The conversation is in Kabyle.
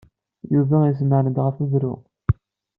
Yuba yessemɛen-d ɣef berru.